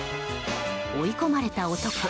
追い込まれた男。